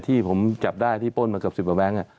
ที่ผมจับได้ที่ป้นมาเกือบ๑๐บอแหว้ง